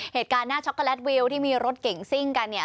เหตุการณ์หน้าช็อกโกแลตวิลที่มีรถเก่งซิ่งกันเนี่ย